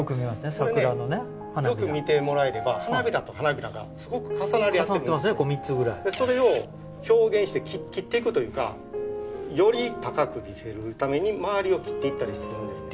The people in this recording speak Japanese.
桜のね花びらよく見てもらえれば花びらと花びらがすごく重なり合ってる重なってますねこう３つぐらいそれを表現して切っていくというかより高く見せるために周りを切っていったりするんですね